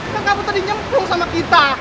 yang kamu tadi nyemplung sama kita